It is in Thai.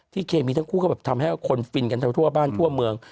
ที่เคมีทั้งคู่ก็ทำให้คนฟินกันทั้งชั่วบ้านชั่วเมือง